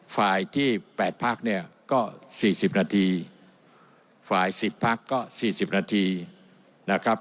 ฝ่ายที่๘พักเนี่ยก็๔๐นาทีฝ่าย๑๐พักก็๔๐นาทีนะครับ